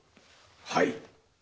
はい。